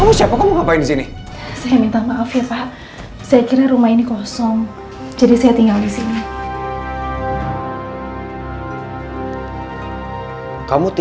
memang sudah mampus banget ini hollywood